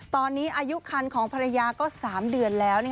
ตอนนี้อายุคันของภรรยาก็๓เดือนแล้ว